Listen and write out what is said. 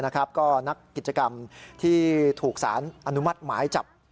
ก็นักกิจกรรมที่ถูกสารอนุมัติหมายจับ